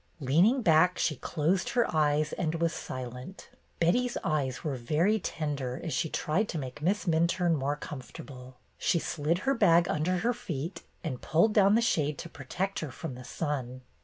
Leaning back, she closed her eyes and was silent. Betty's eyes were very tender as she tried to make Miss Minturne more comfortable. She slid her bag under her feet and pulled down the shade to protect her from the sun.